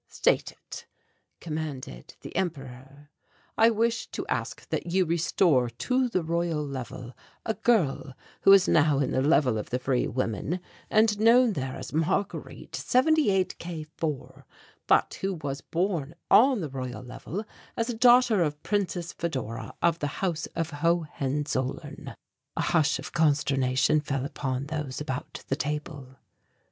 "State it," commanded the Emperor. "I wish to ask that you restore to the Royal Level a girl who is now in the Level of the Free Women, and known there as Marguerite 78 K 4, but who was born on the Royal Level as a daughter of Princess Fedora of the House of Hohenzollern." A hush of consternation fell upon those about the table.